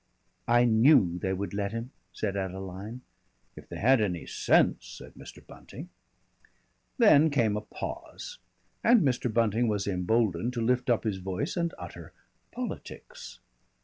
"I knew they would let him," said Adeline. "If they had any sense," said Mr. Bunting. Then came a pause, and Mr. Bunting was emboldened to lift up his voice and utter politics.